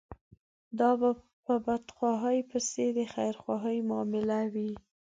دا به په بدخواهي پسې د خيرخواهي معامله وي.